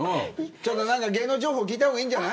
何か芸能情報聞いた方がいいんじゃない。